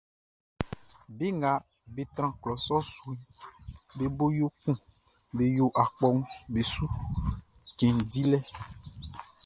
Be nga be tran klɔ sɔʼn suʼn, be bo yo kun be yo akpɔʼm be su cɛn dilɛ.